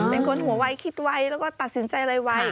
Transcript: เป็นคนหัวไวคิดไวและตัดสินใจอะไรไว